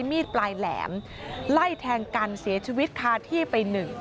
ที่ปลายแหลมไล่แทงกันเสียชีวิตค่ะที่ไป๑